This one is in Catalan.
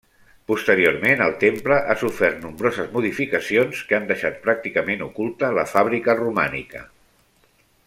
Posteriorment el temple ha sofert nombroses modificacions, que han deixat pràcticament oculta la fàbrica romànica.